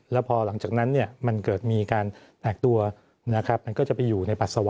แล้วพอหลังจากนั้นมันเกิดมีการแตกตัวนะครับมันก็จะไปอยู่ในปัสสาวะ